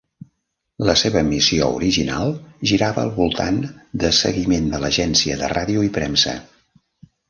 La seva missió original girava al voltant de seguiment de l'agència de ràdio i premsa.